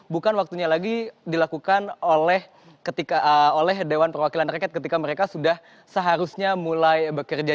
bukan waktunya lagi dilakukan oleh dewan perwakilan rakyat ketika mereka sudah seharusnya mulai bekerja